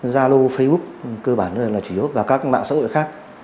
gia lô facebook cơ bản là chủ yếu và các mạng xã hội khác